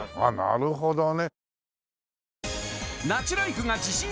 なるほどね。